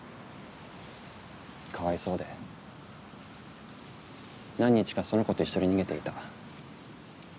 かわいそうで何日かその子と一緒に逃げていた。